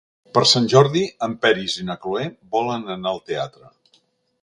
Per Sant Jordi en Peris i na Cloè volen anar al teatre.